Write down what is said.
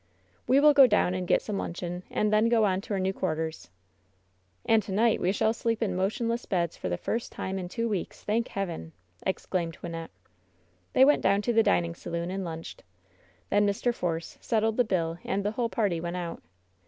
"We will go down and get some luncheon, and then go on to our new quarters." "And to night we shall sleep in motionless beds for the first time in two weeks, thank Heaven!" exclaimed Wvnnette. They went down to the dining saloon and lunched. Then Mr. Force settled the bill and the whole party went out.